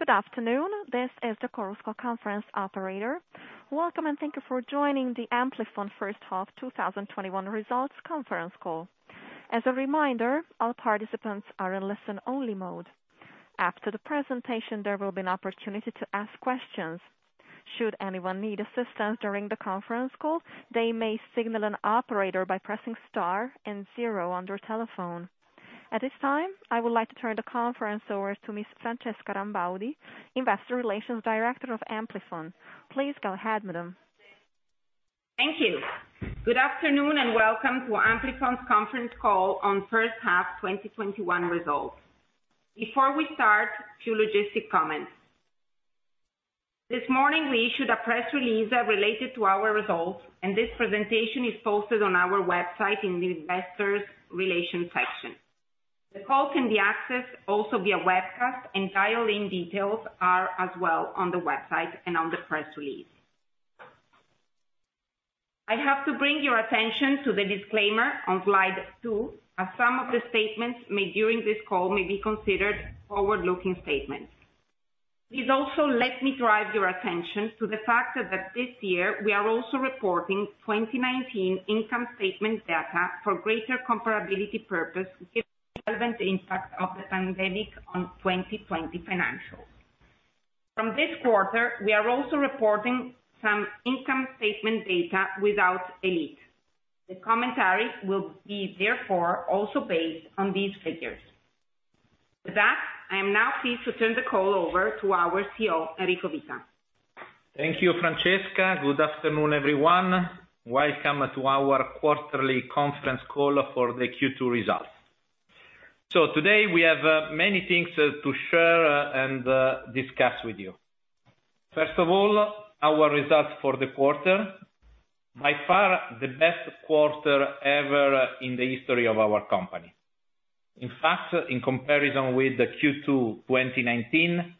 Good afternoon. This is the Chorus Call conference operator. Welcome, and thank you for joining the Amplifon First Half 2021 Results Conference Call. As a reminder, all participants are in listen-only mode. After the presentation, there will be an opportunity to ask questions. Should anyone need assistance during the conference call, they may signal an operator by pressing star and zero on their telephone. At this time, I would like to turn the conference over to Ms. Francesca Rambaudi, Investor Relations Director of Amplifon. Please go ahead, madam. Thank you. Good afternoon, and welcome to Amplifon's conference call on first half 2021 results. Before we start, two logistic comments. This morning, we issued a press release related to our results, and this presentation is posted on our website in the Investor Relations section. The call can be accessed also via webcast, and dial-in details are as well on the website and on the press release. I have to bring your attention to the disclaimer on slide two, as some of the statements made during this call may be considered forward-looking statements. Please also let me drive your attention to the fact that this year we are also reporting 2019 income statement data for greater comparability purpose to give relevant impact of the pandemic on 2020 financials. From this quarter, we are also reporting some income statement data without Elite. The commentary will be therefore also based on these figures. With that, I am now pleased to turn the call over to our CEO, Enrico Vita. Thank you, Francesca. Good afternoon, everyone. Welcome to our quarterly conference call for the Q2 results. Today we have many things to share and discuss with you. First of all, our results for the quarter. By far, the best quarter ever in the history of our company. In fact, in comparison with the Q2 2019,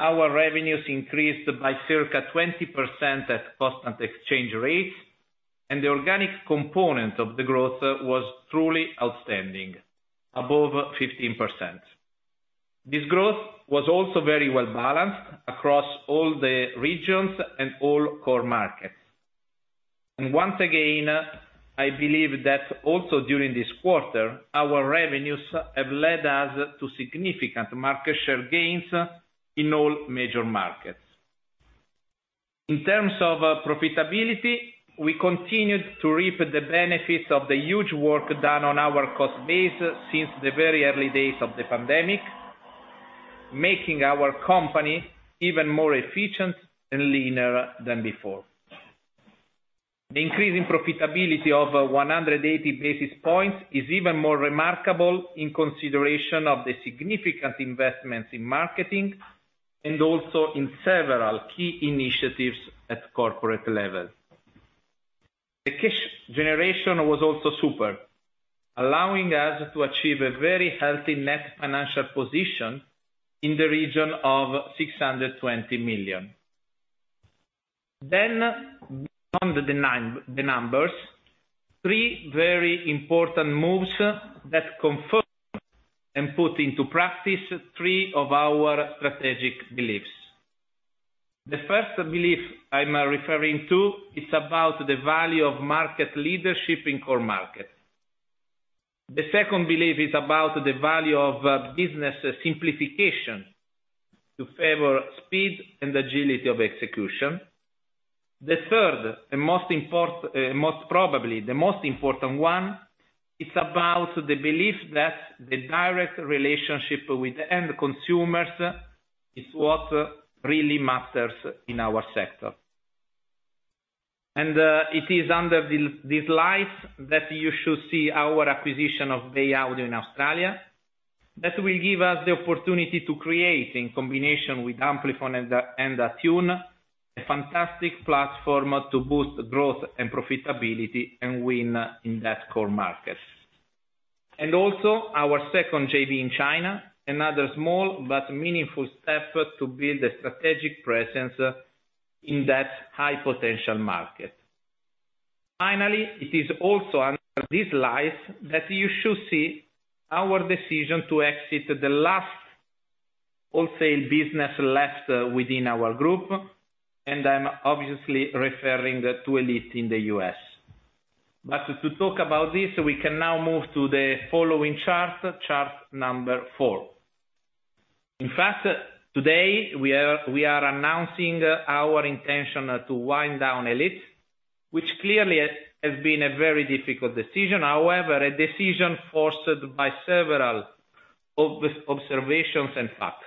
our revenues increased by circa 20% at constant exchange rates, and the organic component of the growth was truly outstanding, above 15%. This growth was also very well-balanced across all the regions and all core markets. Once again, I believe that also during this quarter, our revenues have led us to significant market share gains in all major markets. In terms of profitability, we continued to reap the benefits of the huge work done on our cost base since the very early days of the pandemic, making our company even more efficient and leaner than before. The increase in profitability of 180 basis points is even more remarkable in consideration of the significant investments in marketing and also in several key initiatives at corporate level. The cash generation was also super, allowing us to achieve a very healthy net financial position in the region of 620 million. Beyond the numbers, three very important moves that confirm and put into practice three of our strategic beliefs. The first belief I am referring to is about the value of market leadership in core markets. The second belief is about the value of business simplification to favor speed and agility of execution. The third, and most probably, the most important one, is about the belief that the direct relationship with the end consumers is what really matters in our sector. It is under this light that you should see our acquisition of Bay Audio in Australia. That will give us the opportunity to create, in combination with Amplifon and Attune, a fantastic platform to boost growth and profitability and win in that core market. Also, our second JV in China, another small but meaningful step to build a strategic presence in that high-potential market. Finally, it is also under this light that you should see our decision to exit the last wholesale business left within our group, and I'm obviously referring to Elite in the U.S. To talk about this, we can now move to the following chart number four. In fact, today we are announcing our intention to wind down Elite, which clearly has been a very difficult decision, a decision forced by several observations and facts.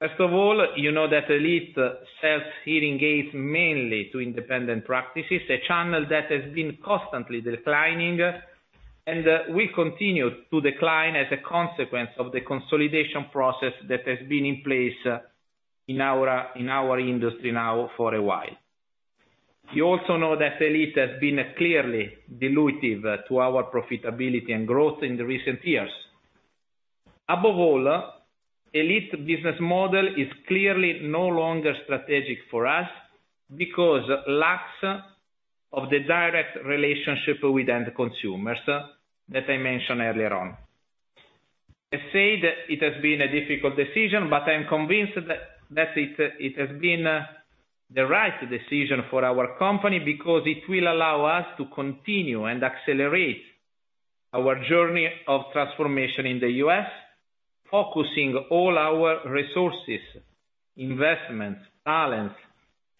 First of all, you know that Elite sells hearing aids mainly to independent practices, a channel that has been constantly declining and will continue to decline as a consequence of the consolidation process that has been in place in our industry now for a while. You also know that Elite has been clearly dilutive to our profitability and growth in the recent years. Above all, Elite business model is clearly no longer strategic for us because lacks the direct relationship with end consumers that I mentioned earlier on. I say that it has been a difficult decision, but I'm convinced that it has been the right decision for our company because it will allow us to continue and accelerate our journey of transformation in the U.S., focusing all our resources, investments, talents,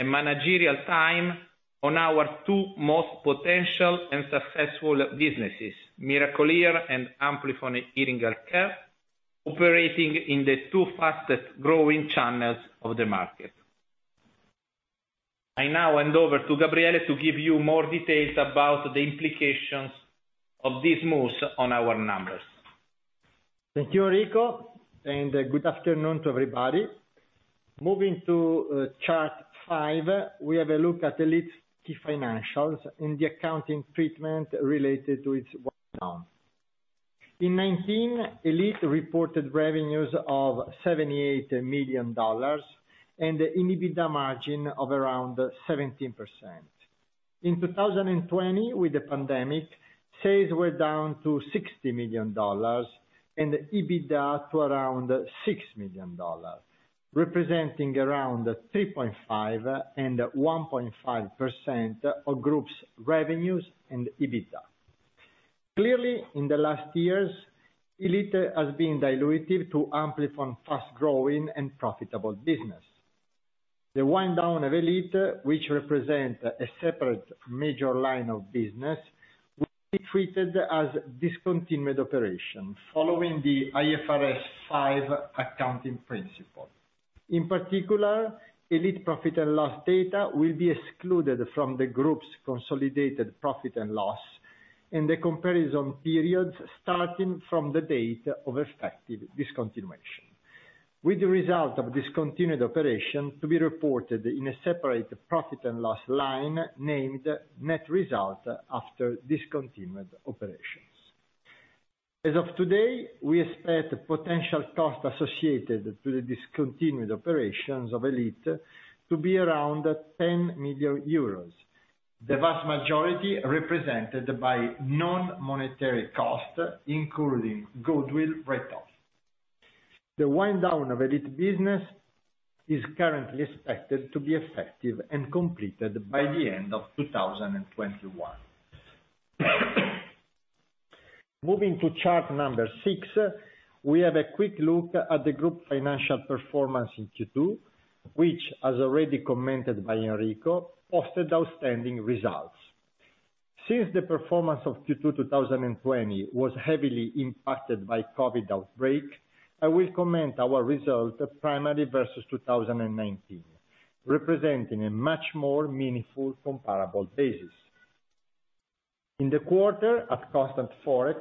and managerial time on our two most potential and successful businesses, Miracle-Ear and Amplifon Hearing Health Care, operating in the two fastest-growing channels of the market. I now hand over to Gabriele to give you more details about the implications of these moves on our numbers. Thank you, Enrico, and good afternoon to everybody. Moving to chart five, we have a look at Elite's key financials and the accounting treatment related to its wind down. In 2019, Elite reported revenues of $78 million and an EBITDA margin of around 17%. In 2020, with the pandemic, sales were down to $60 million and EBITDA to around $6 million, representing around 3.5% and 1.5% of group's revenues and EBITDA. Clearly, in the last years, Elite has been dilutive to Amplifon's fast-growing and profitable business. The wind down of Elite, which represents a separate major line of business, will be treated as discontinued operation following the IFRS 5 accounting principle. In particular, Elite profit and loss data will be excluded from the group's consolidated profit and loss in the comparison periods starting from the date of effective discontinuation, with the result of discontinued operation to be reported in a separate profit and loss line named net result after discontinued operations. As of today, we expect potential cost associated to the discontinued operations of Elite to be around 10 million euros. The vast majority represented by non-monetary cost, including goodwill write-off. The wind down of Elite business is currently expected to be effective and completed by the end of 2021. Moving to chart number six, we have a quick look at the group financial performance in Q2, which, as already commented by Enrico, posted outstanding results. Since the performance of Q2 2020 was heavily impacted by COVID-19 outbreak, I will comment our result primarily versus 2019, representing a much more meaningful comparable basis. In the quarter, at constant Forex,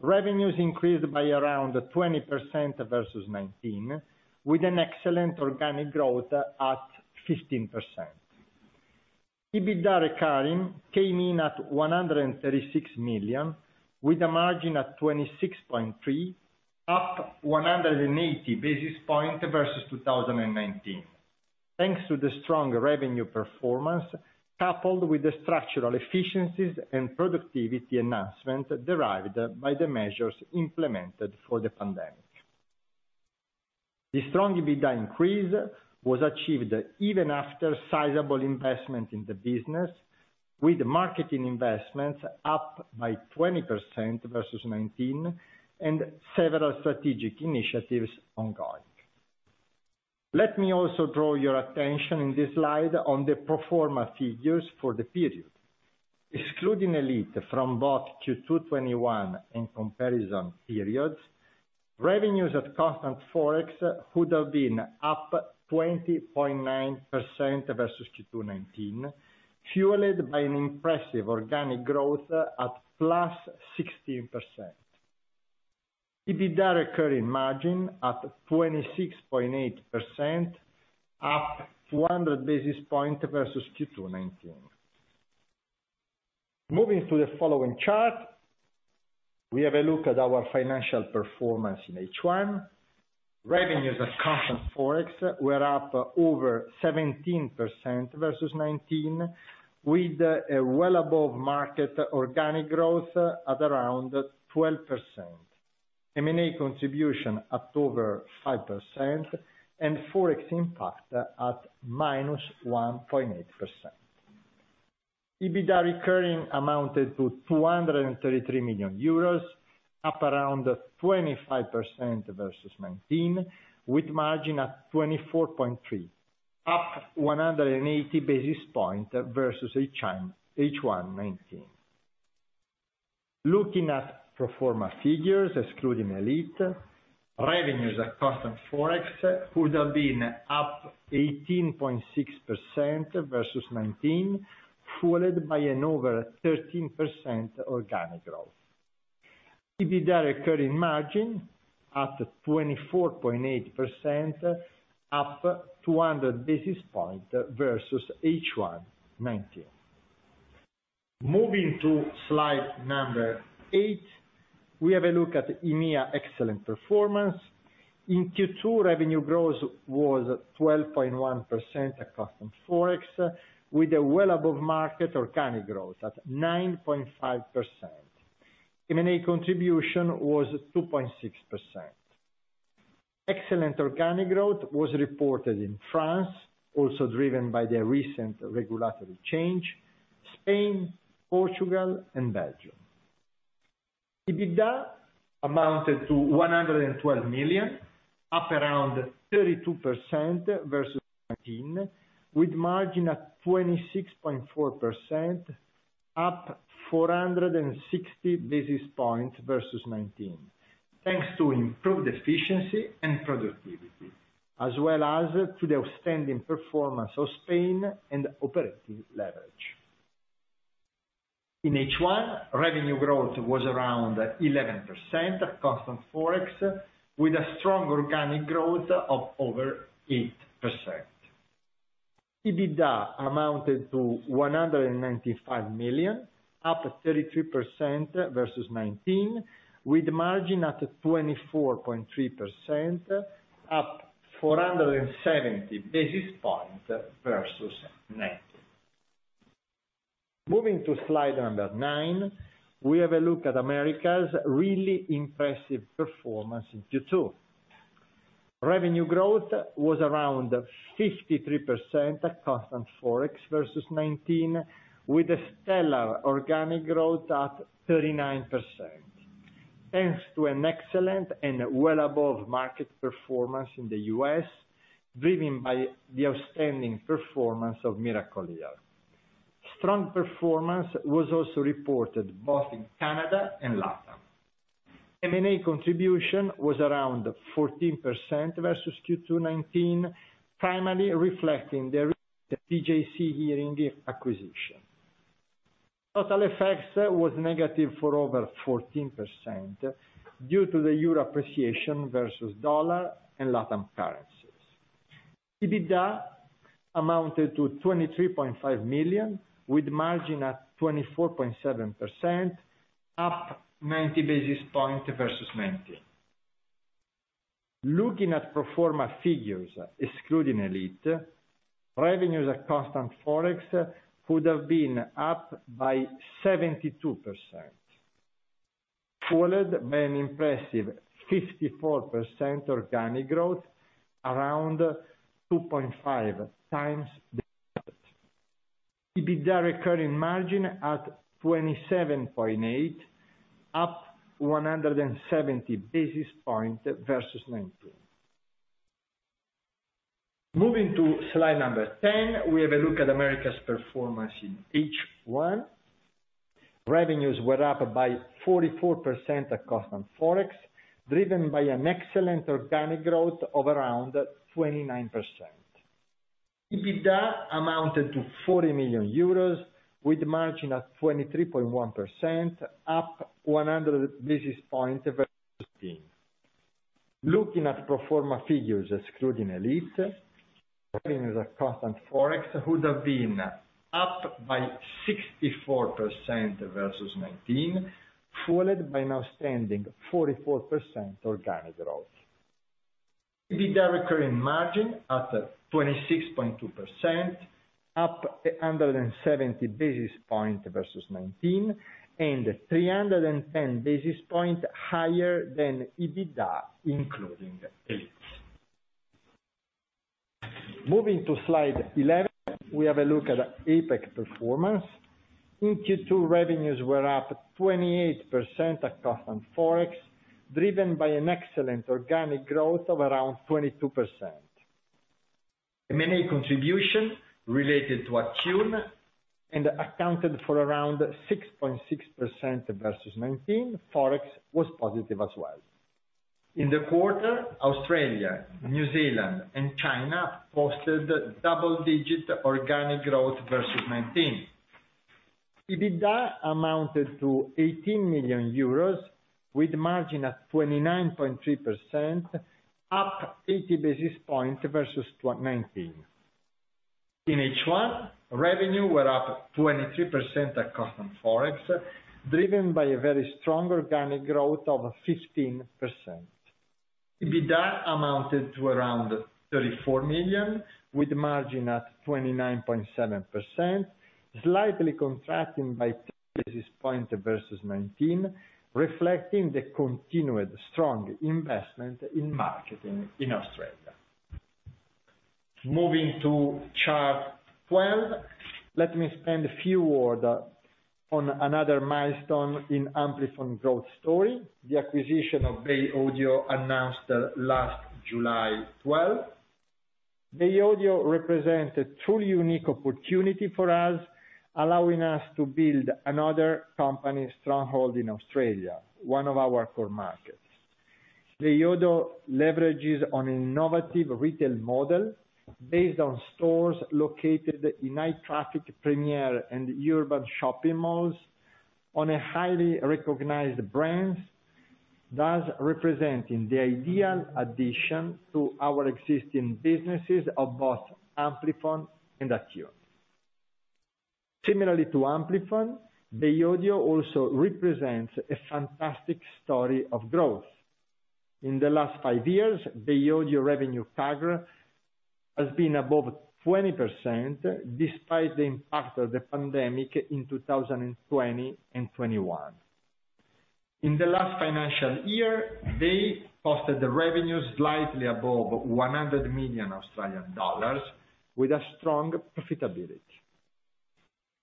revenues increased by around 20% versus 2019, with an excellent organic growth at 15%. EBITDA recurring came in at 136 million with a margin of 26.3, up 180 basis points versus 2019. Thanks to the strong revenue performance, coupled with the structural efficiencies and productivity enhancement derived by the measures implemented for the pandemic. The strong EBITDA increase was achieved even after sizable investment in the business, with marketing investments up by 20% versus 2019 and several strategic initiatives ongoing. Let me also draw your attention in this slide on the pro forma figures for the period. Excluding Elite from both Q2 2021 and comparison periods, revenues at constant Forex would have been up 20.9% versus Q2 2019, fueled by an impressive organic growth at +16%. EBITDA recurring margin at 26.8%, up 400 basis point versus Q2 2019. Moving to the following chart, we have a look at our financial performance in H1. Revenues at constant Forex were up over 17% versus 2019, with a well above market organic growth at around 12%. M&A contribution up to over 5% and Forex impact at -1.8%. EBITDA recurring amounted to 233 million euros, up around 25% versus 2019, with margin at 24.3%, up 180 basis points versus H1 2019. Looking at pro forma figures excluding Elite, revenues at constant Forex would have been up 18.6% versus 2019, fueled by an over 13% organic growth. EBITDA recurring margin at 24.8%, up 200 basis point versus H1 2019. Moving to slide number eight. We have a look at EMEA excellent performance. In Q2, revenue growth was 12.1% constant Forex, with a well above market organic growth at 9.5%. M&A contribution was 2.6%. Excellent organic growth was reported in France, also driven by the recent regulatory change, Spain, Portugal and Belgium. EBITDA amounted to 112 million, up around 32% versus 2019, with margin at 26.4%, up 460 basis points versus 2019, thanks to improved efficiency and productivity, as well as to the outstanding performance of Spain and operating leverage. In H1, revenue growth was around 11% at constant Forex, with a strong organic growth of over 8%. EBITDA amounted to 195 million, up 33% versus 2019, with margin at 24.3%, up 470 basis points versus 2019. Moving to slide number nine, we have a look at Americas' really impressive performance in Q2. Revenue growth was around 53% at constant Forex versus 2019, with a stellar organic growth at 39%, thanks to an excellent and well above market performance in the U.S., driven by the outstanding performance of Miracle-Ear. Strong performance was also reported both in Canada and LatAm. M&A contribution was around 14% versus Q2 2019, primarily reflecting the PJC Hearing acquisition. Total FX was negative for over 14% due to the Euro appreciation versus U.S. dollar and LatAm currencies. EBITDA amounted to 23.5 million, with margin at 24.7%, up 90 basis points versus 2019. Looking at pro forma figures, excluding Elite, revenues at constant Forex could have been up by 72%, followed by an impressive 54% organic growth, around 2.5 times the EBITDA recurring margin at 27.8%, up 170 basis points versus 2019. Moving to slide number 10, we have a look at America's performance in H1. Revenues were up by 44% at constant Forex, driven by an excellent organic growth of around 29%. EBITDA amounted to 40 million euros, with margin at 23.1%, up 100 basis points versus 2019. Looking at pro forma figures excluding Elite, revenues at constant Forex would have been up by 64% versus 2019, followed by now standing 44% organic growth. EBITDA recurring margin at 26.2%, up 170 basis points versus 2019, and 310 basis points higher than EBITDA, including Elite. Moving to slide 11, we have a look at APAC performance. In Q2, revenues were up 28% at constant Forex, driven by an excellent organic growth of around 22%. M&A contribution related to Attune and accounted for around 6.6% versus 2019. Forex was positive as well. In the quarter, Australia, New Zealand, and China posted double-digit organic growth versus 2019. EBITDA amounted to 80 million euros, with margin at 29.3%, up 80 basis points versus 2019. In H1, revenue were up 23% at constant Forex, driven by a very strong organic growth of 15%. EBITDA amounted to around 34 million, with margin at 29.7%, slightly contracting by 10 basis points versus 2019, reflecting the continued strong investment in marketing in Australia. Moving to chart 12, let me spend a few word on another milestone in Amplifon growth story, the acquisition of Bay Audio announced last July 12. Bay Audio represents a truly unique opportunity for us, allowing us to build another company stronghold in Australia, one of our core markets. Bay Audio leverages on innovative retail model based on stores located in high traffic premier and urban shopping malls on a highly recognized brands, thus representing the ideal addition to our existing businesses of both Amplifon and Attune. Similarly to Amplifon, Bay Audio also represents a fantastic story of growth. In the last five years, Bay Audio revenue CAGR has been above 20%, despite the impact of the pandemic in 2020 and 2021. In the last financial year, they posted the revenues slightly above 100 million Australian dollars with a strong profitability.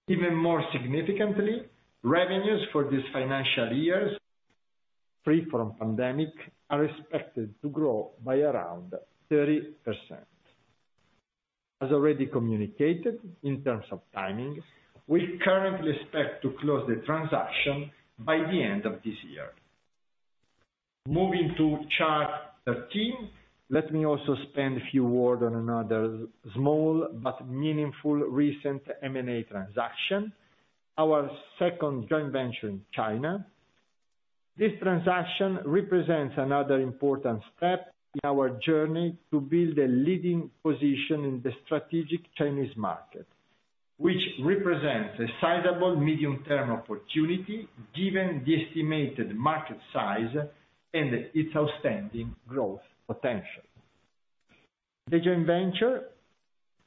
Even more significantly, revenues for these financial years, free from pandemic, are expected to grow by around 30%. As already communicated in terms of timing, we currently expect to close the transaction by the end of this year. Moving to Chart 13, let me also spend a few word on another small but meaningful recent M&A transaction. Our second joint venture in China. This transaction represents another important step in our journey to build a leading position in the strategic Chinese market, which represents a sizable medium-term opportunity given the estimated market size and its outstanding growth potential. The joint venture,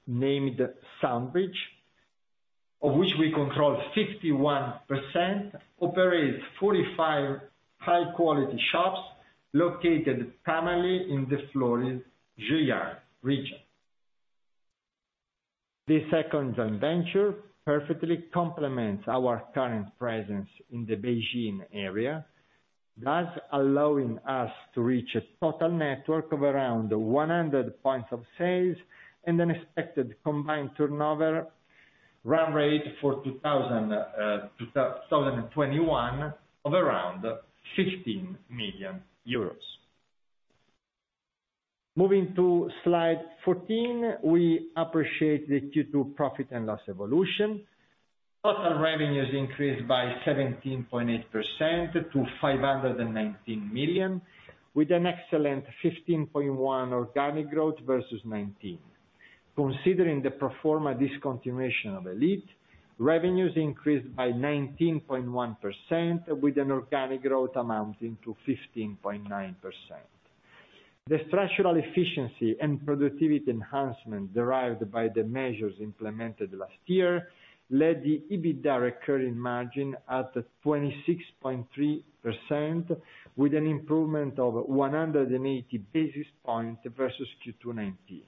named Sound Bridge, of which we control 51%, operates 45 high-quality shops located primarily in the Fujian and Zhejiang region. This second joint venture perfectly complements our current presence in the Beijing area, thus allowing us to reach a total network of around 100 points of sales and an expected combined turnover run rate for 2021 of around EUR 15 million. Moving to Slide 14, we appreciate the Q2 profit and loss evolution. Total revenues increased by 17.8% to 519 million, with an excellent 15.1% organic growth versus 2019. Considering the pro forma discontinuation of Elite, revenues increased by 19.1% with an organic growth amounting to 15.9%. The structural efficiency and productivity enhancement derived by the measures implemented last year led the EBITDA recurring margin at 26.3%, with an improvement of 180 basis points versus Q2 2019.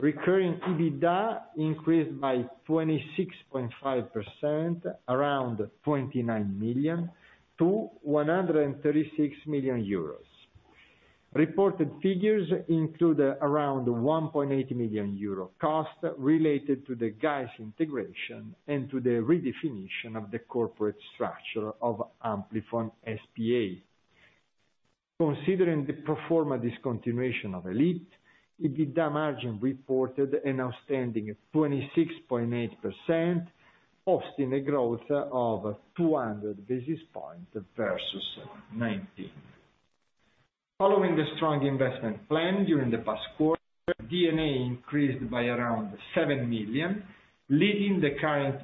Recurring EBITDA increased by 26.5%, around 29 million to 136 million euros. Reported figures include around 1.8 million euro cost related to the GAES integration and to the redefinition of the corporate structure of Amplifon S.p.A. Considering the pro forma discontinuation of Elite, EBITDA margin reported an outstanding 26.8%, hosting a growth of 200 basis points versus 2019. Following the strong investment plan during the past quarter, D&A increased by around 7 million, leading the current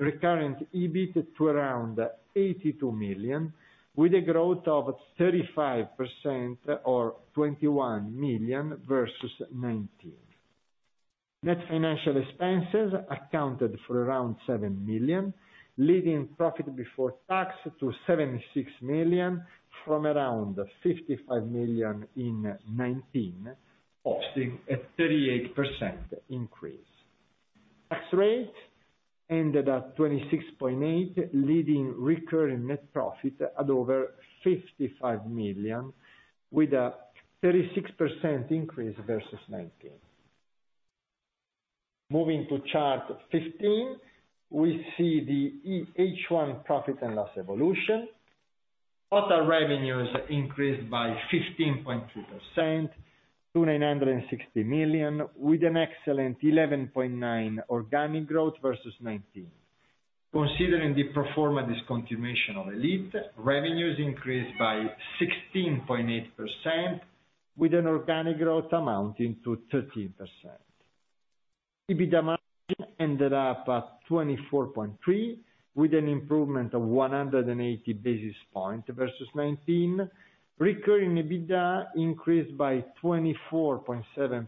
recurring EBIT to around 82 million, with a growth of 35% or 21 million versus 2019. Net financial expenses accounted for around 7 million, leading profit before tax to 76 million from around 55 million in 2019, hosting a 38% increase. Tax rate ended at 26.8%, leading recurring net profit at over 55 million, with a 36% increase versus 2019. Moving to Chart 15, we see the H1 profit and loss evolution. Total revenues increased by 15.2% to 960 million, with an excellent 11.9% organic growth versus 2019. Considering the pro forma discontinuation of Elite, revenues increased by 16.8%, with an organic growth amounting to 13%. EBITDA margin ended up at 24.3%, with an improvement of 180 basis points versus 2019. Recurring EBITDA increased by 24.7%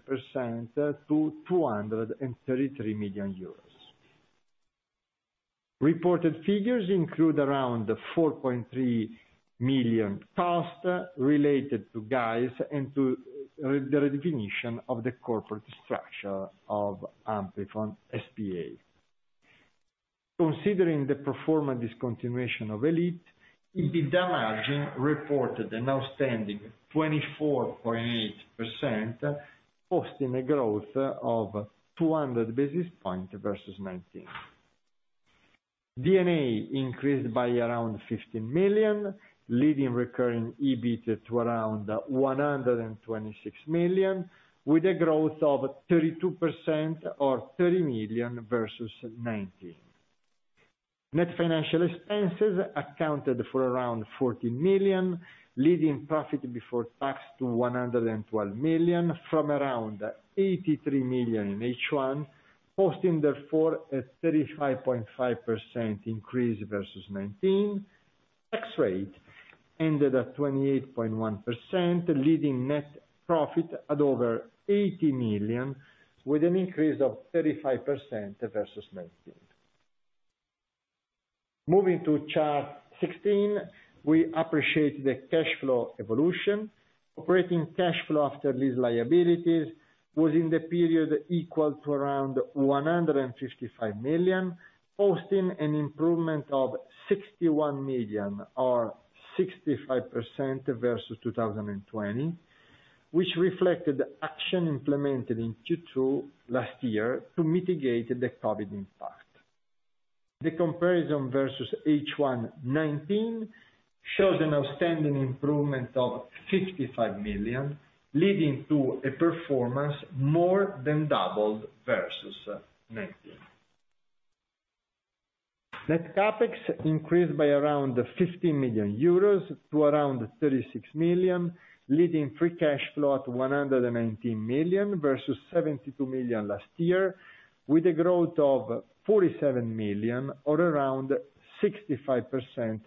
to 233 million euros. Reported figures include around 4.3 million cost related to GAES and to the redefinition of the corporate structure of Amplifon S.p.A. Considering the pro forma discontinuation of Elite, EBITDA margin reported an outstanding 24.8%, hosting a growth of 200 basis points versus 2019. D&A increased by around 15 million, leading recurring EBIT to around 126 million, with a growth of 32% or 30 million versus 2019. Net financial expenses accounted for around 40 million, leading profit before tax to 112 million from around 83 million in H1, posting therefore a 35.5% increase versus 2019. Tax rate ended at 28.1%, leaving net profit at over 80 million, with an increase of 35% versus 2019. Moving to chart 16, we appreciate the cash flow evolution. Operating cash flow after lease liabilities was in the period equal to around 155 million, posting an improvement of 61 million or 65% versus 2020, which reflected action implemented in Q2 last year to mitigate the COVID-19 impact. The comparison versus H1 2019 shows an outstanding improvement of 55 million, leading to a performance more than doubled versus 2019. Net CapEx increased by around 50 million euros to around 36 million, leaving free cash flow at 119 million versus 72 million last year, with a growth of 47 million or around 65%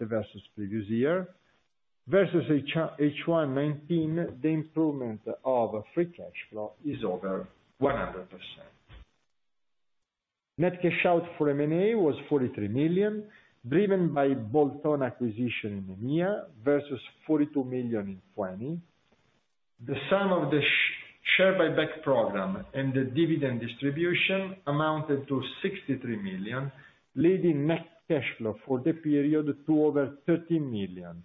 versus the previous year. Versus H1 2019, the improvement of free cash flow is over 100%. Net cash out for M&A was 43 million, driven by bolt-on acquisition in EMEA versus 42 million in 2020. The sum of the share buyback program and the dividend distribution amounted to 63 million, leaving net cash flow for the period to over 13 million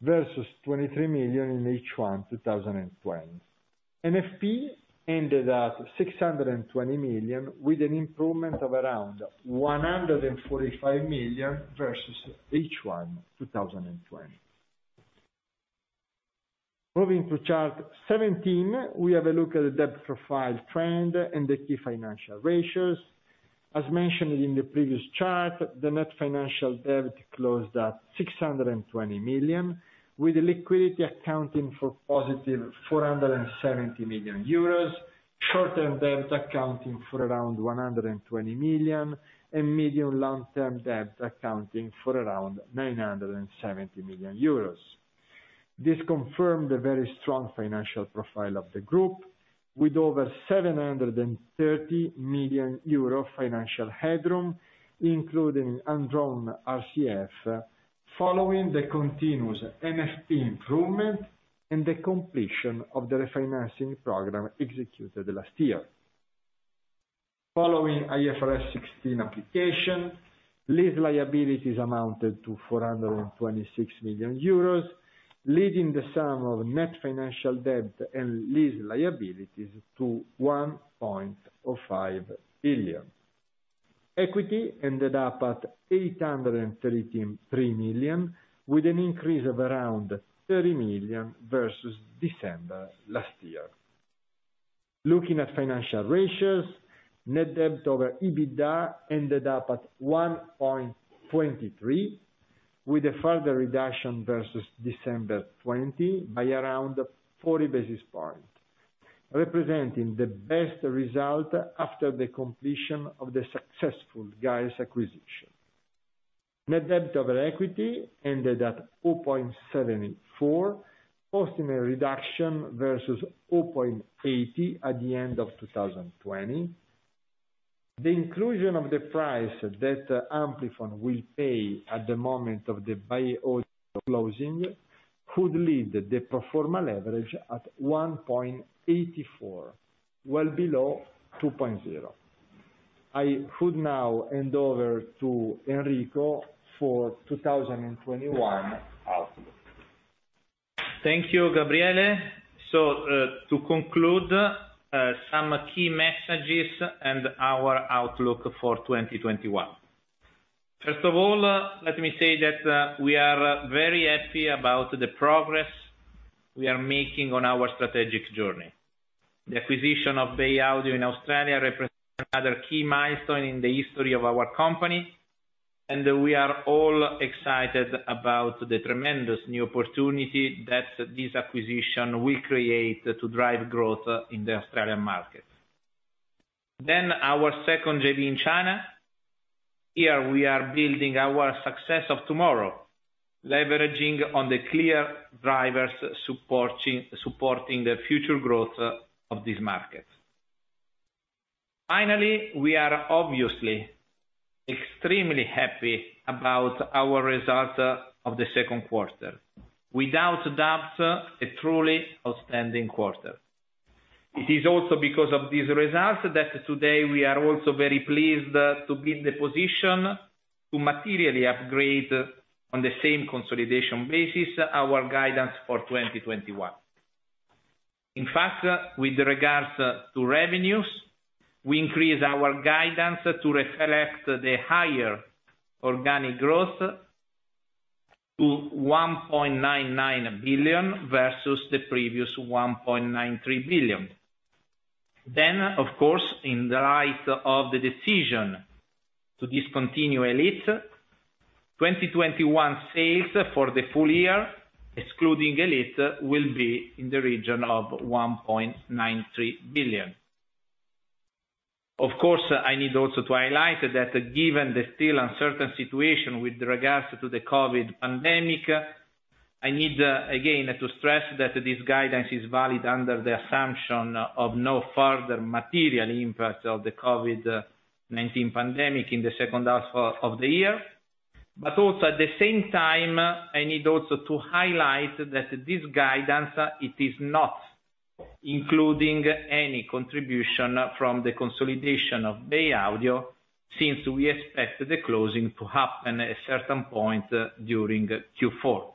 versus 23 million in H1 2020. NFP ended at 620 million, with an improvement of around 145 million versus H1 2020. Moving to chart 17, we have a look at the debt profile trend and the key financial ratios. As mentioned in the previous chart, the net financial debt closed at 620 million, with liquidity accounting for positive 470 million euros, short-term debt accounting for around 120 million, and medium long-term debt accounting for around 970 million euros. This confirmed the very strong financial profile of the group, with over 730 million euro financial headroom, including undrawn RCF, following the continuous NFP improvement and the completion of the refinancing program executed last year. Following IFRS 16 application, lease liabilities amounted to 426 million euros, leaving the sum of net financial debt and lease liabilities to 1.05 billion. Equity ended up at 813 million, with an increase of around 30 million versus December last year. Looking at financial ratios, net debt over EBITDA ended up at 1.23, with a further reduction versus December 2020 by around 40 basis points, representing the best result after the completion of the successful GAES acquisition. Net debt over equity ended at 4.74, posting a reduction versus 0.80 at the end of 2020. The inclusion of the price that Amplifon will pay at the moment of the Bay closing could leave the pro forma leverage at 1.84, well below 2.0. I could now hand over to Enrico for 2021 outlook. Thank you, Gabriele. To conclude, some key messages and our outlook for 2021. First of all, let me say that we are very happy about the progress we are making on our strategic journey. The acquisition of Bay Audio in Australia represents another key milestone in the history of our company, and we are all excited about the tremendous new opportunity that this acquisition will create to drive growth in the Australian market. Our second JV in China. Here we are building our success of tomorrow, leveraging on the clear drivers supporting the future growth of these markets. Finally, we are obviously extremely happy about our result of the second quarter. Without a doubt, a truly outstanding quarter. It is also because of these results that today we are also very pleased to be in the position to materially upgrade on the same consolidation basis our guidance for 2021. In fact, with regards to revenues, we increase our guidance to reflect the higher organic growth to 1.99 billion versus the previous 1.93 billion. Of course, in the light of the decision to discontinue Elite, 2021 sales for the full year excluding Elite, will be in the region of 1.93 billion. Of course, I need also to highlight that given the still uncertain situation with regards to the COVID pandemic, I need again to stress that this guidance is valid under the assumption of no further material impact of the COVID-19 pandemic in the second half of the year. Also at the same time, I need also to highlight that this guidance, it is not including any contribution from the consolidation of Bay Audio, since we expect the closing to happen at a certain point during Q4.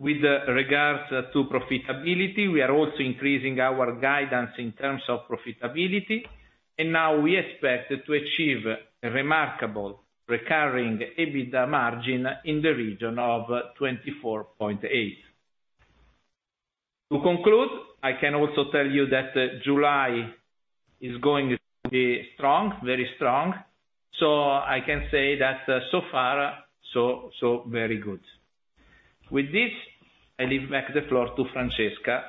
With regards to profitability, we are also increasing our guidance in terms of profitability, and now we expect to achieve remarkable recurring EBITDA margin in the region of 24.8%. To conclude, I can also tell you that July is going to be strong, very strong. I can say that so far, so very good. With this, I leave back the floor to Francesca.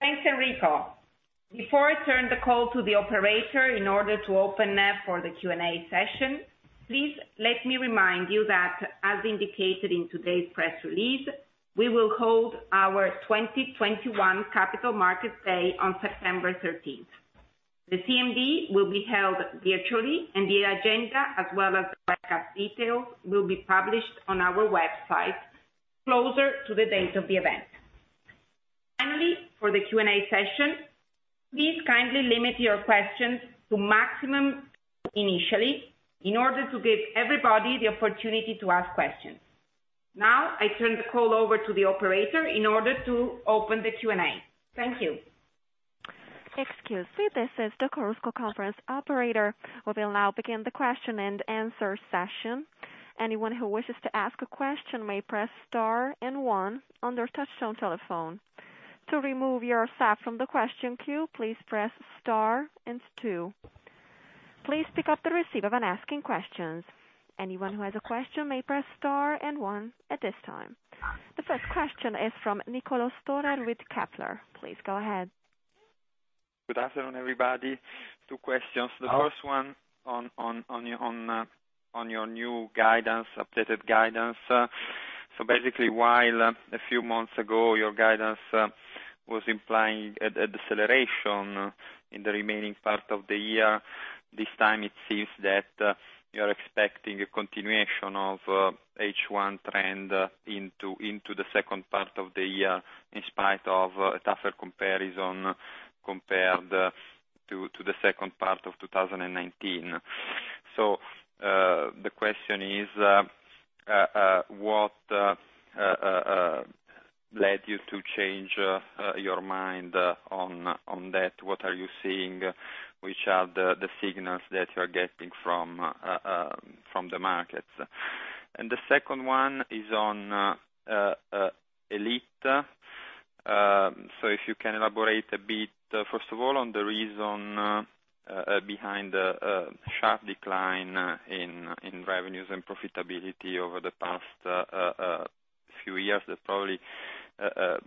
Thanks, Enrico. Before I turn the call to the operator in order to open up for the Q&A session, please let me remind you that as indicated in today's press release, we will hold our 2021 Capital Markets Day on September 13th. The CMD will be held virtually, and the agenda as well as the details will be published on our website closer to the date of the event. Finally, for the Q&A session, please kindly limit your questions to maximum initially, in order to give everybody the opportunity to ask questions. Now, I turn the call over to the operator in order to open the Q&A. Thank you. Excuse me, this is the Chorus Call operator. We will now begin the question and answer session. Anyone who wishes to ask a question may press star one on their touchtone telephone. To remove yourself from the question queue, please press star two. Please pick up the receiver when asking questions. Anyone who has a question may press star one at this time. The first question is from Niccolò Storer with Kepler. Please go ahead. Good afternoon, everybody. Two questions. The first one on your new guidance, updated guidance. Basically, while a few months ago your guidance was implying a deceleration in the remaining part of the year, this time it seems that you are expecting a continuation of H1 trend into the second part of the year in spite of a tougher comparison compared to the second part of 2019. The question is, what led you to change your mind on that? What are you seeing? Which are the signals that you're getting from the markets? The second one is on Elite. If you can elaborate a bit, first of all, on the reason behind the sharp decline in revenues and profitability over the past few years, that probably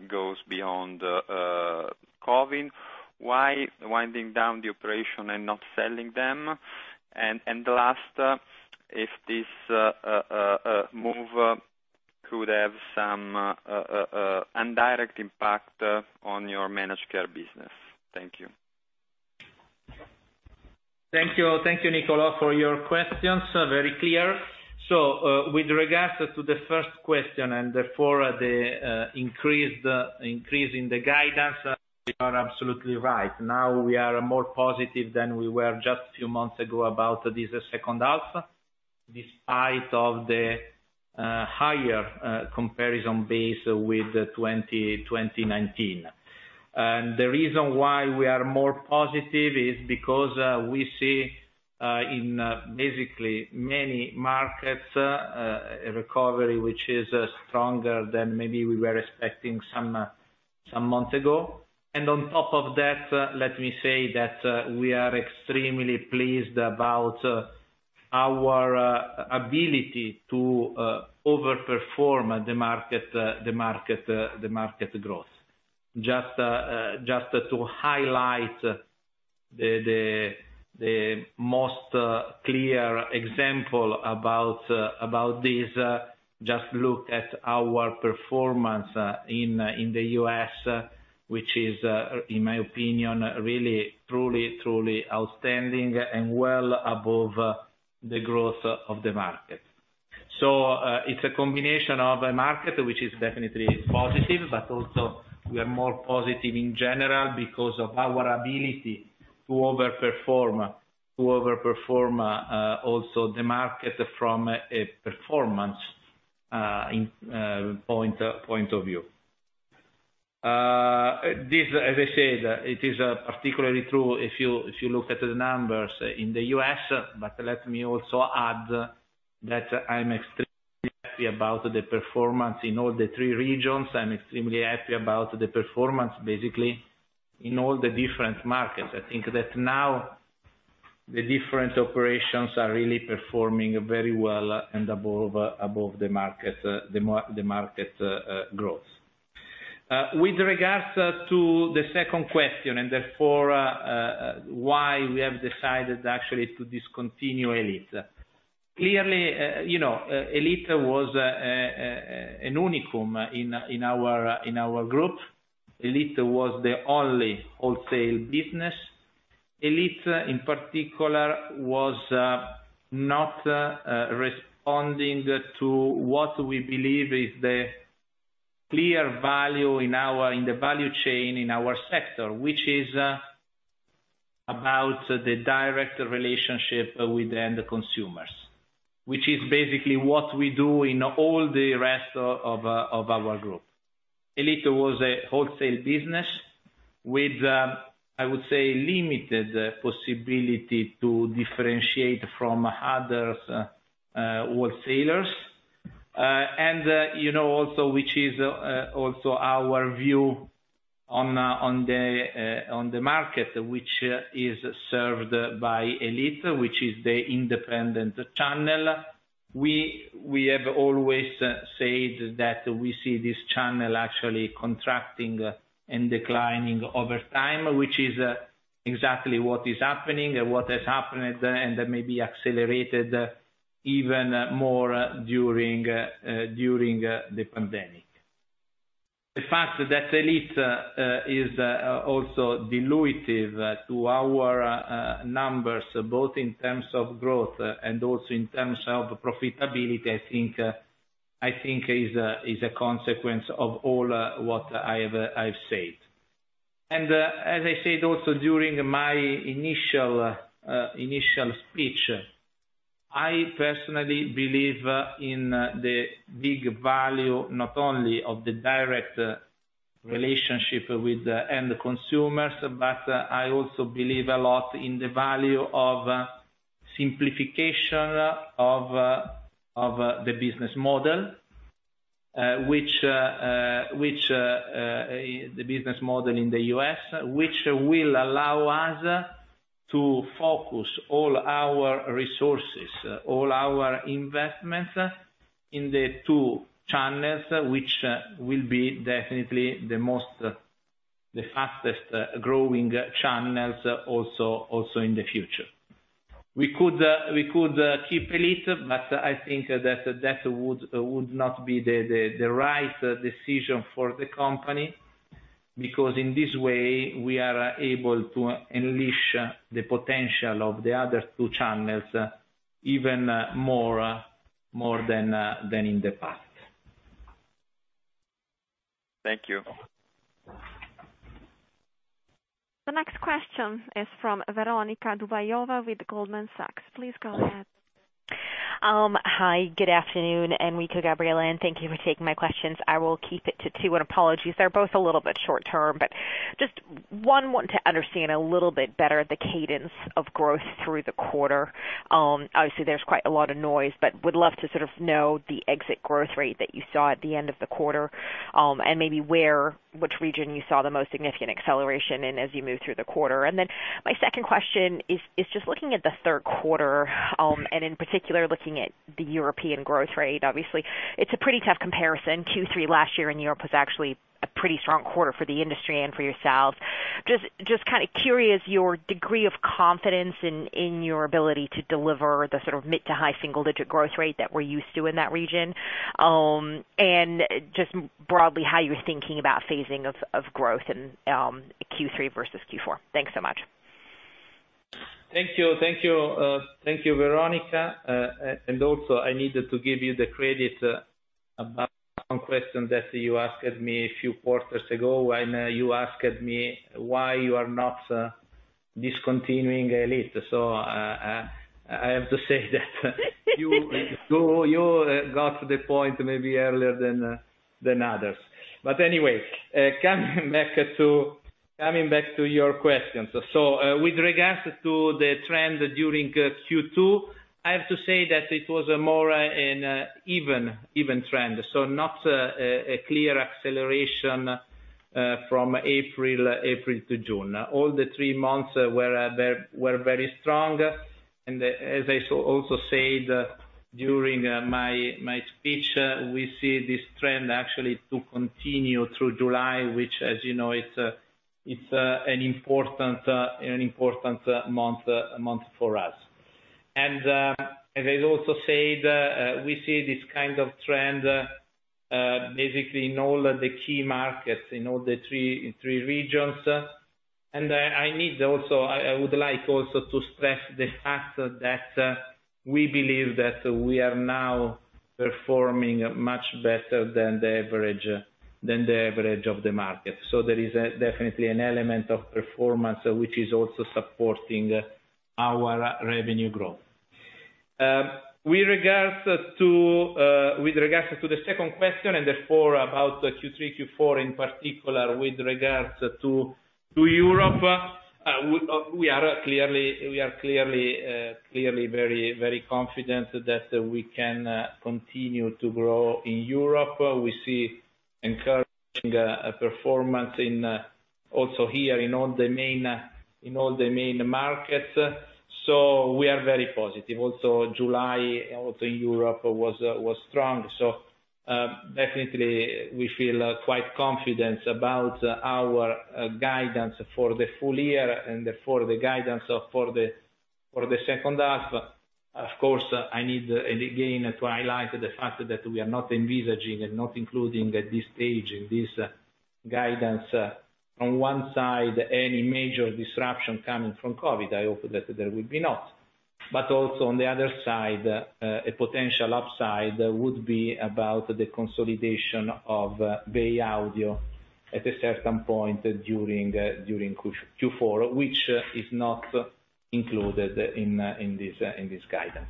goes beyond COVID-19. Why winding down the operation and not selling them? The last, if this move could have some indirect impact on your managed care business. Thank you. Thank you. Thank you, Niccolò, for your questions. Very clear. With regards to the first question and therefore the increase in the guidance, you are absolutely right. Now we are more positive than we were just a few months ago about this second half, despite of the higher comparison base with 2019. The reason why we are more positive is because we see in basically many markets, a recovery which is stronger than maybe we were expecting some months ago. On top of that, let me say that we are extremely pleased about our ability to overperform the market growth. Just to highlight the most clear example about this, just look at our performance in the U.S., which is, in my opinion, really truly outstanding and well above the growth of the market. It's a combination of a market which is definitely positive, but also we are more positive in general because of our ability to overperform, also the market from a performance point of view. This, as I said, it is particularly true if you look at the numbers in the U.S., but let me also add that I'm extremely happy about the performance in all the three regions. I'm extremely happy about the performance, basically, in all the different markets. I think that now the different operations are really performing very well and above the market growth. With regards to the second question, and therefore, why we have decided actually to discontinue Elite. Clearly, Elite was a unique in our group. Elite was the only wholesale business. Elite, in particular, was not responding to what we believe is the clear value in the value chain in our sector, which is about the direct relationship with the end consumers. Which is basically what we do in all the rest of our group. Elite was a wholesale business with, I would say, limited possibility to differentiate from other wholesalers. Which is also our view on the market, which is served by Elite, which is the independent channel. We have always said that we see this channel actually contracting and declining over time, which is exactly what is happening and what has happened, and maybe accelerated even more during the pandemic. The fact that Elite is also dilutive to our numbers, both in terms of growth and also in terms of profitability, I think, is a consequence of all what I've said. As I said also during my initial speech, I personally believe in the big value, not only of the direct relationship with the end consumers, but I also believe a lot in the value of simplification of the business model in the U.S., which will allow us to focus all our resources, all our investments in the two channels, which will be definitely the fastest growing channels also in the future. We could keep Elite, but I think that would not be the right decision for the company, because in this way, we are able to unleash the potential of the other two channels even more than in the past. Thank you. The next question is from Veronika Dubajova with Goldman Sachs. Please go ahead. Hi, good afternoon, Enrico, Gabriele, thank you for taking my questions. I will keep it to two, apologies. They're both a little bit short term, just, one, want to understand a little bit better the cadence of growth through the quarter. Obviously, there's quite a lot of noise, would love to sort of know the exit growth rate that you saw at the end of the quarter, and maybe which region you saw the most significant acceleration in as you moved through the quarter. My second question is just looking at the third quarter, and in particular, looking at the European growth rate. Obviously, it's a pretty tough comparison. Q3 last year in Europe was actually a pretty strong quarter for the industry and for yourselves. Just kind of curious, your degree of confidence in your ability to deliver the sort of mid to high single-digit growth rate that we're used to in that region. Just broadly, how you're thinking about phasing of growth in Q3 versus Q4. Thanks so much. Thank you, Veronika. Also, I needed to give you the credit about one question that you asked me a few quarters ago, when you asked me why you are not discontinuing Elite. I have to say that you got to the point maybe earlier than others. Anyway, coming back to your questions. With regards to the trend during Q2, I have to say that it was a more an even trend. Not a clear acceleration from April to June. All the three months were very strong, and as I also said during my speech, we see this trend actually to continue through July, which, as you know, it's an important month for us. As I also said, we see this kind of trend, basically in all the key markets, in all the three regions. I would like also to stress the fact that we believe that we are now performing much better than the average of the market. There is definitely an element of performance, which is also supporting our revenue growth. With regards to the second question, and therefore about the Q3, Q4, in particular with regards to Europe, we are clearly very confident that we can continue to grow in Europe. We see encouraging performance in, also here, in all the main markets. We are very positive. Also July, also Europe was strong. Definitely we feel quite confident about our guidance for the full year and for the guidance for the second half. Of course, I need again to highlight the fact that we are not envisaging and not including at this stage, this guidance on one side, any major disruption coming from COVID-19. I hope that there will be not. Also on the other side, a potential upside would be about the consolidation of Bay Audio at a certain point during Q4, which is not included in this guidance.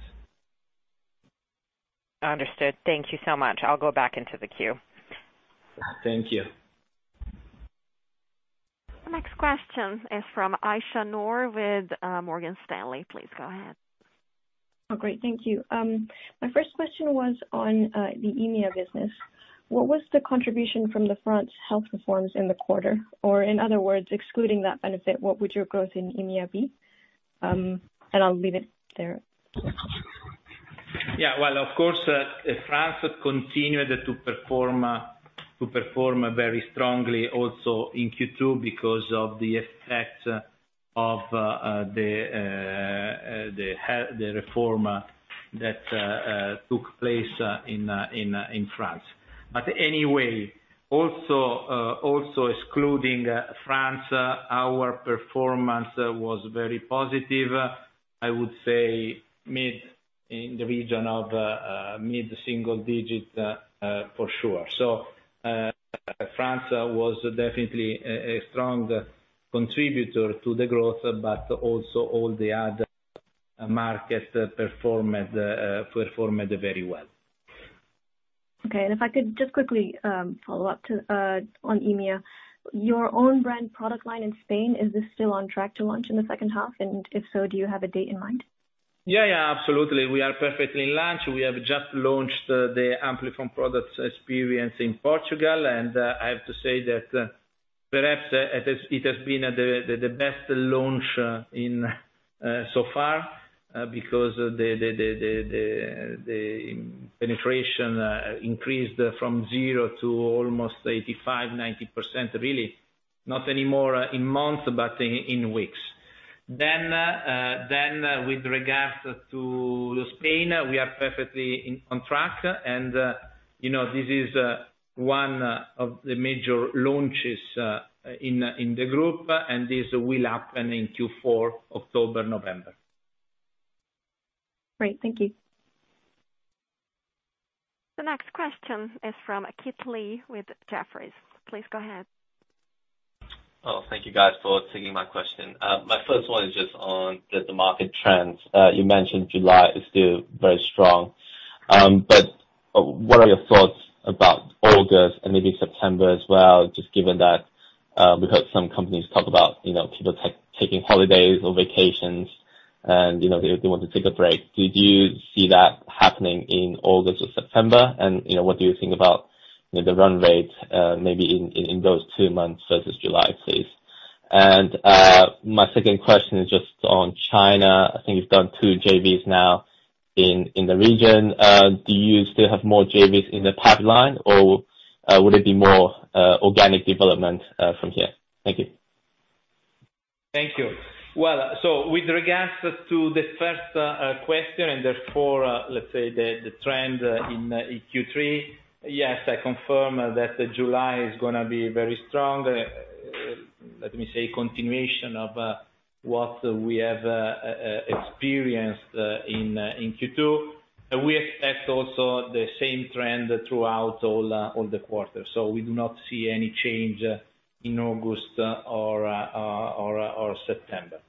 Understood. Thank you so much. I'll go back into the queue. Thank you. The next question is from Aisyah Noor with Morgan Stanley. Please go ahead. Great. Thank you. My first question was on the EMEA business. What was the contribution from the France health reforms in the quarter? In other words, excluding that benefit, what would your growth in EMEA be? I'll leave it there. Well, of course, France continued to perform very strongly also in Q2 because of the effect of the reform that took place in France. Anyway, also excluding France, our performance was very positive. I would say mid in the region of mid-single-digit for sure. France was definitely a strong contributor to the growth, but also all the other markets performed very well. Okay, if I could just quickly follow up on EMEA. Your own brand product line in Spain, is this still on track to launch in the second half? If so, do you have a date in mind? Yeah, absolutely. We are perfectly in launch. We have just launched the Amplifon Product Experience in Portugal, and I have to say that perhaps it has been the best launch so far because the penetration increased from zero to almost 85%-90%, really not anymore in months, but in weeks. With regards to Spain, we are perfectly on track and this is one of the major launches in the group, and this will happen in Q4, October, November. Great. Thank you. The next question is from Kit Lee with Jefferies. Please go ahead. Oh, thank you guys for taking my question. My first one is just on the market trends. You mentioned July is still very strong. What are your thoughts about August and maybe September as well, just given that we heard some companies talk about people taking holidays or vacations and they want to take a break. Did you see that happening in August or September? What do you think about the run rate maybe in those two months versus July, please? My second question is just on China. I think you've done two JVs now in the region. Do you still have more JVs in the pipeline or would it be more organic development from here? Thank you. Thank you. Well, with regards to the first question, therefore, let's say the trend in Q3, yes, I confirm that July is going to be very strong. Let me say continuation of what we have experienced in Q2. We expect also the same trend throughout all the quarters. We do not see any change in August or September.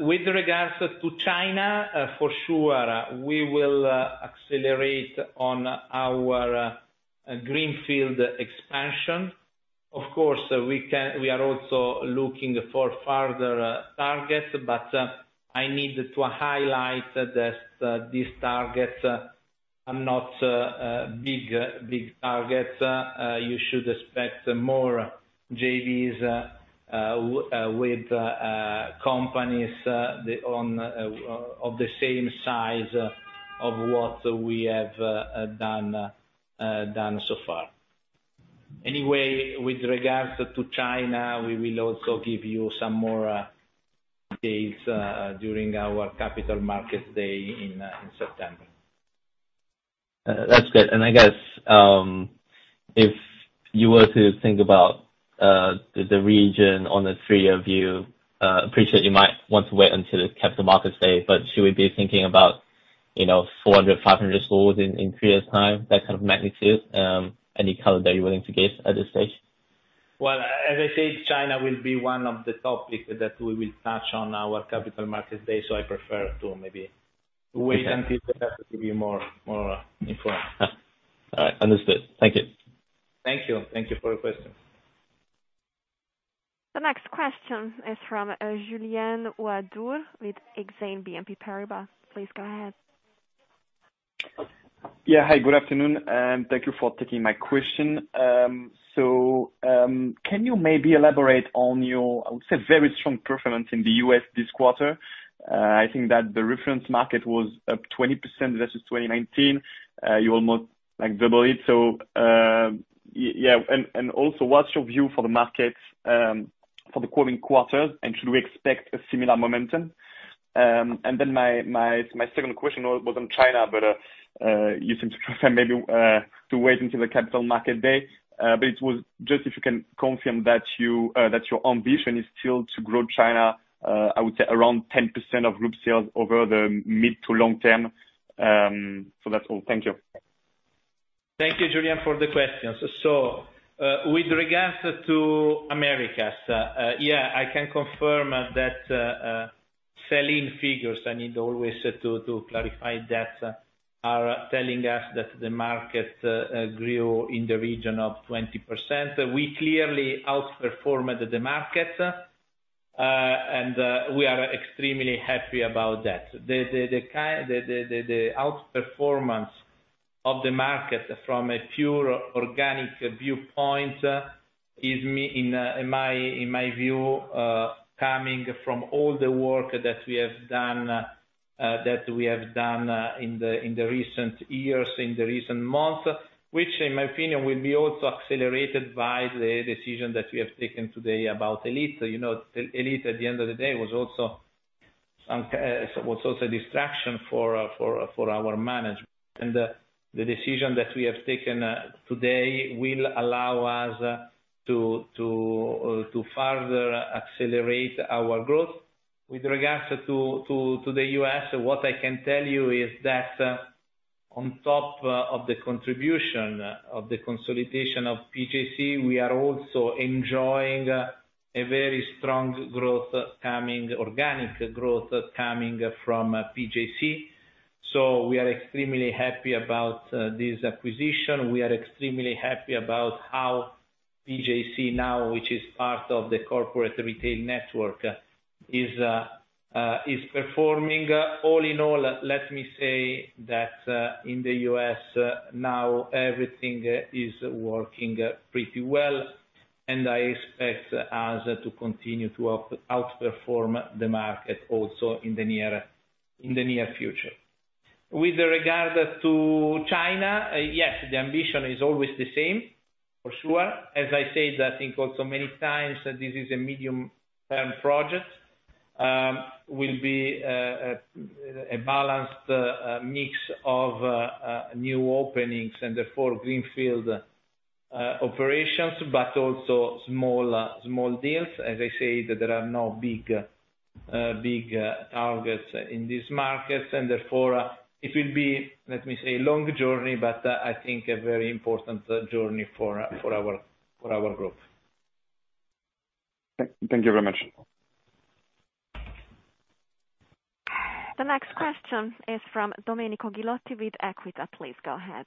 With regards to China, for sure, we will accelerate on our greenfield expansion. Of course, we are also looking for further targets, but I need to highlight that these targets are not big targets. You should expect more JVs with companies of the same size of what we have done so far. Anyway, with regards to China, we will also give you some more dates during our Capital Markets Day in September. That's good. I guess, if you were to think about the region on the three of you, appreciate you might want to wait until the Capital Markets Day, should we be thinking about 400, 500 stores in 3 years time, that kind of magnitude? Any color that you're willing to give at this stage? Well, as I said, China will be one of the topics that we will touch on our Capital Markets Day, I prefer to maybe wait until then to give you more information. All right, understood. Thank you. Thank you for your question. The next question is from Julien Ouaddour with Exane BNP Paribas. Please go ahead. Yeah. Hi, good afternoon, and thank you for taking my question. Can you maybe elaborate on your, I would say, very strong performance in the U.S. this quarter? I think that the reference market was up 20% versus 2019. You almost doubled it. Yeah. Also, what's your view for the market for the coming quarters, and should we expect a similar momentum? Then my second question was on China, but you seem to prefer maybe to wait until the Capital Markets Day. It was just if you can confirm that your ambition is still to grow China, I would say, around 10% of group sales over the mid to long term. That's all. Thank you. Thank you, Julien, for the questions. With regards to Americas, yeah, I can confirm that sell-in figures, I need always to clarify that, are telling us that the market grew in the region of 20%. We clearly outperformed the market, and we are extremely happy about that. The outperformance of the market from a pure organic viewpoint is, in my view, coming from all the work that we have done in the recent years, in the recent months, which in my opinion, will be also accelerated by the decision that we have taken today about Elite. Elite, at the end of the day, was also a distraction for our management. The decision that we have taken today will allow us to further accelerate our growth with regards to the U.S., what I can tell you is that on top of the contribution of the consolidation of PJC, we are also enjoying a very strong organic growth coming from PJC. We are extremely happy about this acquisition. We are extremely happy about how PJC now, which is part of the corporate retail network, is performing. All in all, let me say that in the U.S. now, everything is working pretty well, and I expect us to continue to outperform the market also in the near future. With regard to China, yes, the ambition is always the same, for sure. As I said, I think also many times this is a medium-term project, will be a balanced mix of new openings and therefore greenfield operations, but also small deals. As I said, there are no big targets in this market, and therefore it will be, let me say, a long journey, but I think a very important journey for our group. Thank you very much. The next question is from Domenico Ghilotti with Equita. Please go ahead.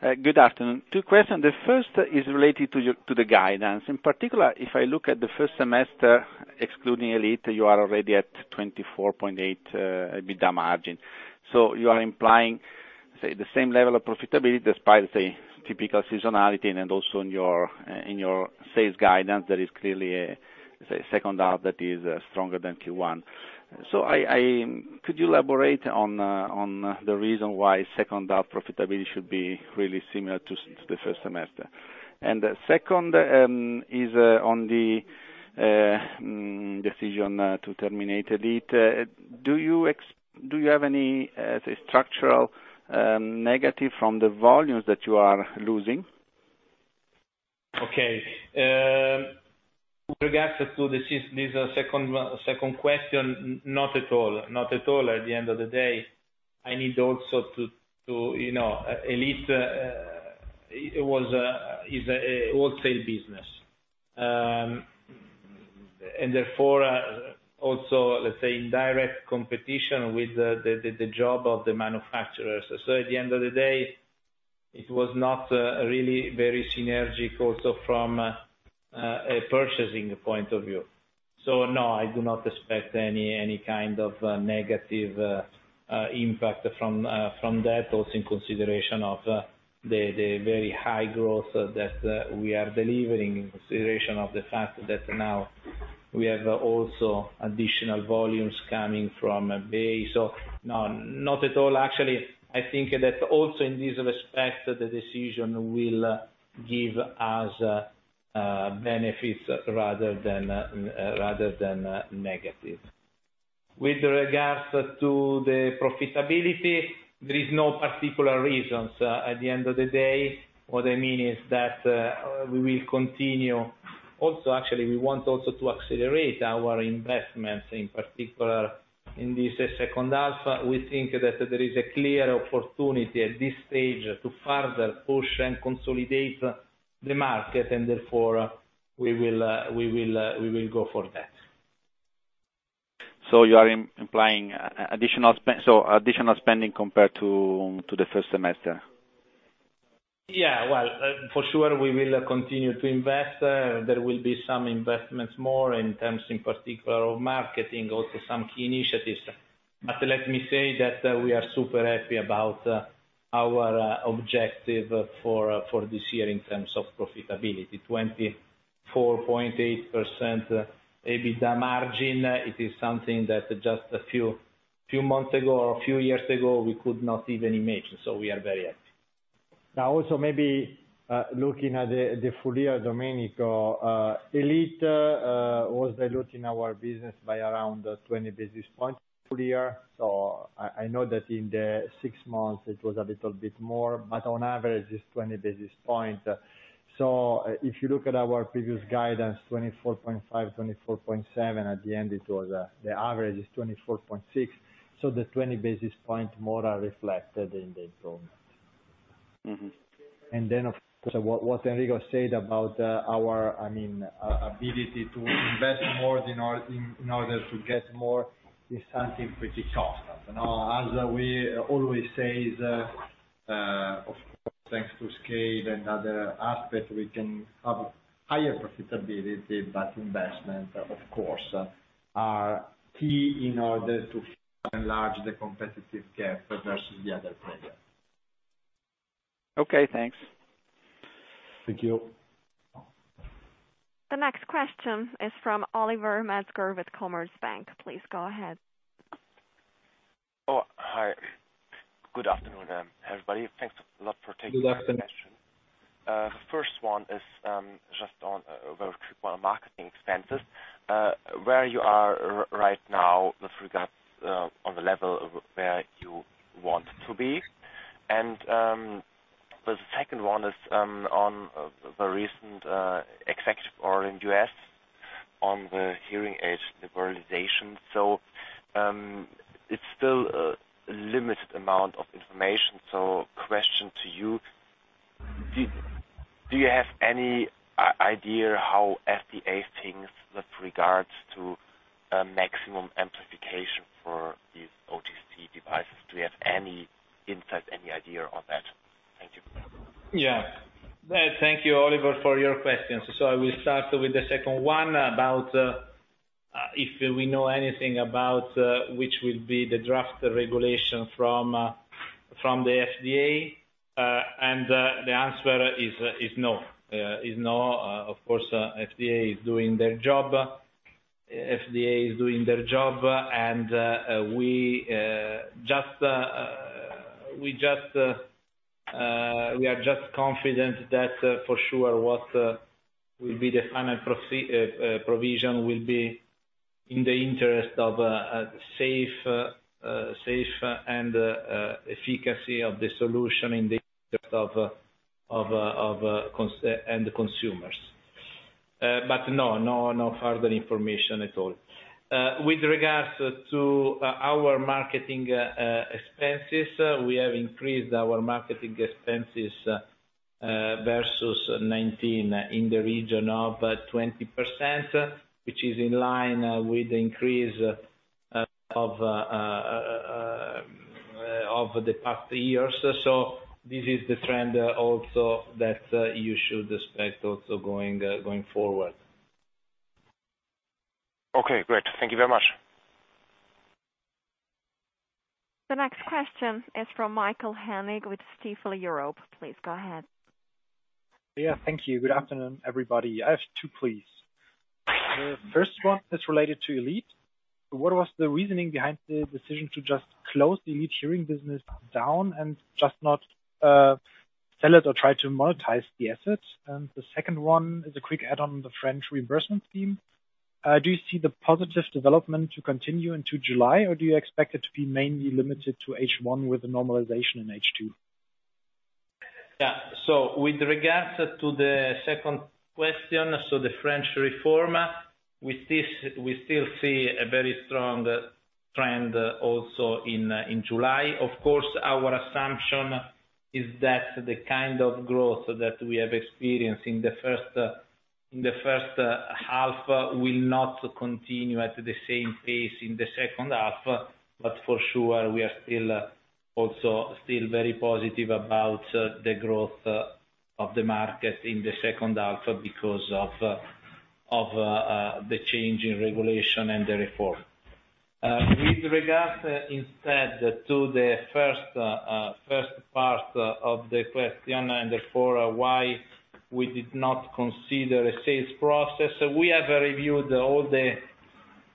Good afternoon. Two questions. The first is related to the guidance. In particular, if I look at the first semester, excluding Elite, you are already at 24.8% EBITDA margin. You are implying, say, the same level of profitability despite, say, typical seasonality and also in your sales guidance, there is clearly a second half that is stronger than Q1. Could you elaborate on the reason why second half profitability should be really similar to the first semester? The second is on the decision to terminate Elite. Do you have any, say, structural negative from the volumes that you are losing? Okay. With regards to this second question, not at all. At the end of the day, Elite is a wholesale business. Therefore, also, let's say, in direct competition with the job of the manufacturers. At the end of the day, it was not really very synergic also from a purchasing point of view. No, I do not expect any kind of negative impact from that. Also, in consideration of the very high growth that we are delivering, in consideration of the fact that now we have also additional volumes coming from Bay. No, not at all. Actually, I think that also in this respect, the decision will give us benefits rather than negatives. With regards to the profitability, there is no particular reasons. At the end of the day, what I mean is that we will continue. Actually, we want also to accelerate our investments, in particular in this second half. We think that there is a clear opportunity at this stage to further push and consolidate the market, therefore we will go for that. You are implying additional spending compared to the first semester? Yeah. Well, for sure we will continue to invest. There will be some investments more in terms, in particular, of marketing, also some key initiatives. Let me say that we are super happy about our objective for this year in terms of profitability. 24.8% EBITDA margin, it is something that just a few months ago or a few years ago, we could not even imagine. We are very happy. Now, also maybe, looking at the full year, Domenico. Elite was diluting our business by around 20 basis points full year. I know that in the 6 months it was a little bit more, but on average it's 20 basis points. If you look at our previous guidance, 24.5%, 24.7%, at the end, the average is 24.6%. The 20 basis points more are reflected in the improvement. Of course, what Enrico said about our ability to invest more in order to get more, is something pretty constant. As we always say, of course, thanks to scale and other aspects, we can have higher profitability, but investment, of course, are key in order to enlarge the competitive gap versus the other players. Okay, thanks. Thank you. The next question is from Oliver Metzger with Commerzbank. Please go ahead. hi. Good afternoon, everybody. Thanks a lot for taking my question. Good afternoon. First one is just on our marketing expenses. Where you are right now with regards on the level of where you want to be? The second one is on the recent executive order in U.S. on the hearing aid liberalization. It's still a limited amount of information. Question to you, do you have any idea how FDA thinks with regards to maximum amplification for these OTC devices? Do you have any insight, any idea on that? Thank you. Yeah. Thank you, Oliver, for your questions. I will start with the second one about, if we know anything about, which will be the draft regulation from the FDA. The answer is no. Of course, FDA is doing their job, and we are just confident that for sure what will be the final provision will be in the interest of a safe and efficacy of the solution in the interest and the consumers. No further information at all. With regards to our marketing expenses, we have increased our marketing expenses versus 2019 in the region of 20%, which is in line with the increase of the past years. This is the trend also that you should expect also going forward. Okay, great. Thank you very much. The next question is from Michael Hennig with Stifel Europe. Please go ahead. Yeah, thank you. Good afternoon, everybody. I have two, please. The first one is related to Elite. What was the reasoning behind the decision to just close the Elite hearing business down and just not sell it or try to monetize the assets? The second one is a quick add-on the French reimbursement scheme. Do you see the positive development to continue into July, or do you expect it to be mainly limited to H1 with a normalization in H2? Yeah. With regards to the second question, the French reform, we still see a very strong trend also in July. Of course, our assumption is that the kind of growth that we have experienced in the first half will not continue at the same pace in the second half. For sure, we are also still very positive about the growth of the market in the second half because of the change in regulation and the reform. With regards instead to the first part of the question, why we did not consider a sales process. We have reviewed all the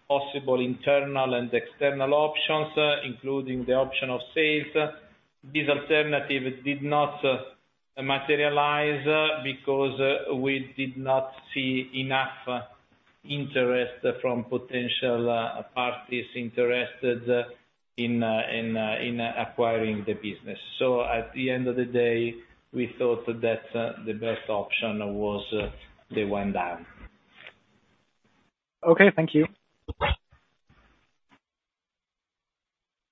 possible internal and external options, including the option of sales. This alternative did not materialize because we did not see enough interest from potential parties interested in acquiring the business. At the end of the day, we thought that the best option was the wind down. Okay, thank you.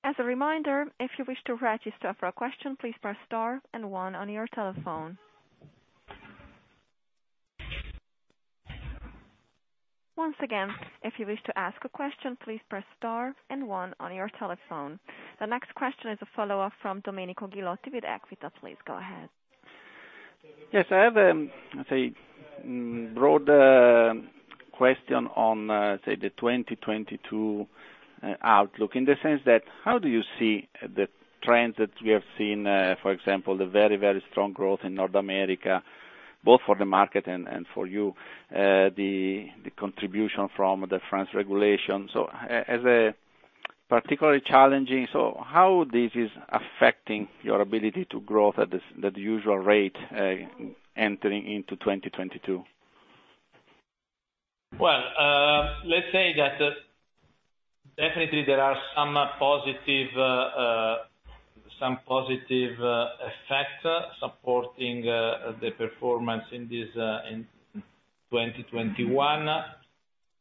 As a reminder, if you wish to register for a question, please press star one on your telephone. Once again, if you wish to ask a question, please press star one on your telephone. The next question is a follow-up from Domenico Ghilotti with Equita. Please go ahead. Yes, I have, say, broader question on, say, the 2022 outlook, in the sense that how do you see the trends that we have seen, for example, the very, very strong growth in North America, both for the market and for you, the contribution from the France regulation. As a particularly challenging. How this is affecting your ability to grow at the usual rate entering into 2022? Well, let's say that definitely there are some positive effects supporting the performance in 2021.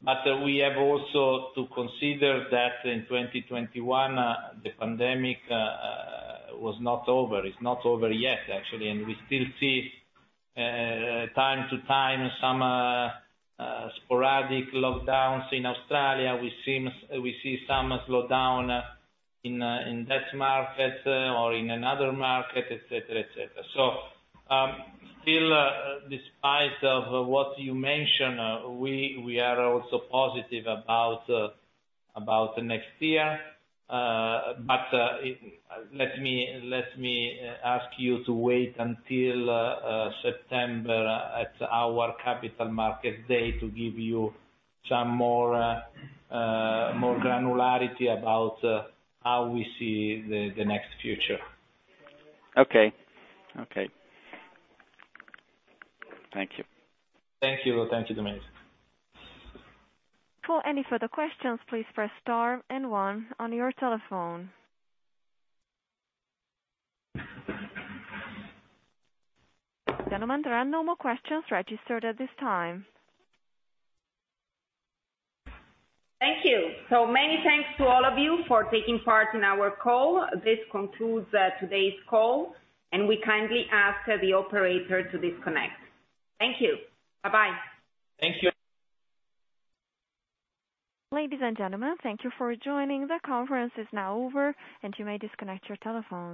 We have also to consider that in 2021, the pandemic was not over. It's not over yet, actually, and we still see time to time some sporadic lockdowns in Australia. We see some slow down in that market or in another market, et cetera. Still despite of what you mentioned, we are also positive about the next year. Let me ask you to wait until September at our Capital Markets Day to give you some more granularity about how we see the next future. Okay. Thank you. Thank you, Domenico. For any further questions, please press star and one on your telephone. Gentlemen, there are no more questions registered at this time. Thank you. Many thanks to all of you for taking part in our call. This concludes today's call, and we kindly ask the operator to disconnect. Thank you. Bye-bye. Thank you. Ladies and gentlemen, thank you for joining. The conference is now over, and you may disconnect your telephones.